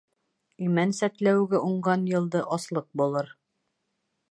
Имән сәтләүеге уңған йылды аслыҡ булыр.